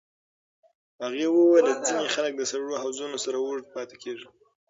هغې وویل ځینې خلک د سړو حوضونو سره اوږد پاتې کېږي.